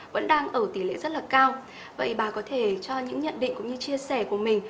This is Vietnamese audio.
vẫn đang ở tỷ lệ rất là cao vậy bà có thể cho những nhận định cũng như chia sẻ của mình